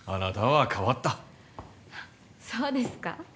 そうですか？